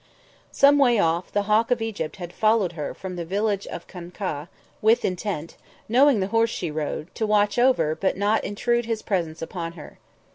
Some way off, the Hawk of Egypt had followed her from the village of Khankah, with intent, knowing the horse she rode, to watch over but not intrude his presence upon her.